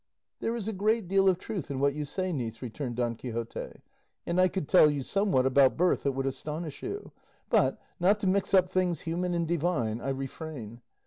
"There is a great deal of truth in what you say, niece," returned Don Quixote, "and I could tell you somewhat about birth that would astonish you; but, not to mix up things human and divine, I refrain.